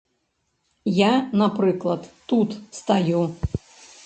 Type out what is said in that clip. Я, напрыклад, тут стаю.